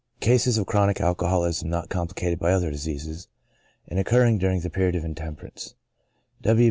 Cases of Chronic Alcoholism not complicated by other diseases^ and occurring during the period of intemperance, W.